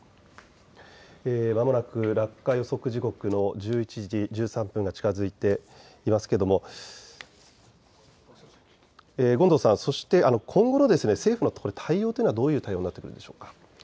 まもなく落下予測時刻の１１時１３分が近づいていますが、権藤さん、そして今後の政府の対応というのはどういう対応になるでしょうか。